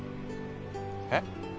えっ？